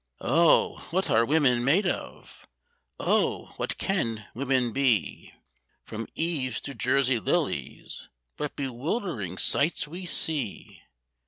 Oh! what are women made of? Oh! what can women be? From Eves to Jersey Lilies what bewildering sights we see!